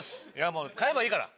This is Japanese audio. もう買えばいいから。